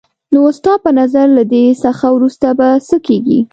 نو ستا په نظر له دې څخه وروسته به څه کېږي؟